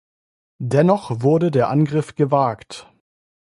Dennoch wurde der Angriff gewagt.